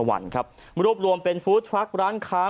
รูปรวมเป็นฟู้ดทรัคร้านค้า